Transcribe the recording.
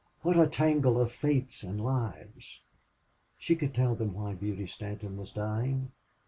What a tangle of fates and lives! She could tell them why Beauty Stanton was dying.